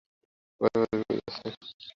তবে পথে বড় বড় বিপদ আছে।